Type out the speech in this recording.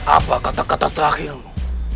apa kata kata terakhirmu